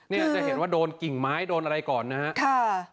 จะเห็นว่าโดนกิ่งไม้โดนอะไรก่อนนะครับ